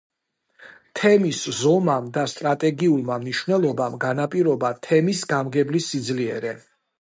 თემის ზომამ და სტრატეგიულმა მნიშვნელობამ, განაპირობა თემის გამგებლის სიძლიერე.